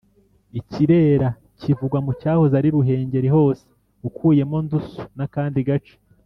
ikirera: kivugwa mu cyahoze ari ruhengeri hose ukuyemo ndusu n’akandi gace